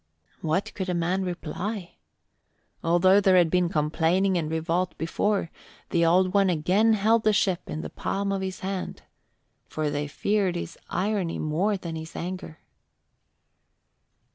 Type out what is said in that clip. What could a man reply? Although there had been complaining and revolt before, the Old One again held the ship in the palm of his hand, for they feared his irony more than his anger.